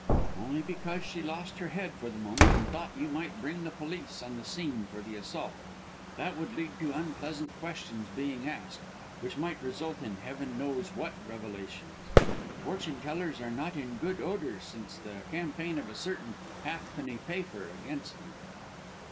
"Only because she lost her head for the moment and thought you might bring the police on the scene for the assault. That would lead to unpleasant questions being asked, which might result in heaven knows what revelations. Fortune tellers are not in good odour since the campaign of a certain halfpenny paper against them."